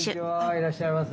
いらっしゃいませ。